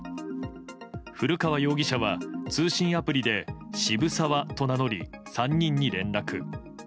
古川容疑者は通信アプリで渋沢と名乗り、３人に連絡。